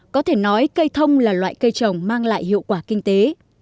có thể nói cây thông là loại cây trồng mang lại hiệu quả kinh tế